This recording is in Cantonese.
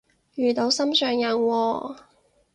遇到心上人喎？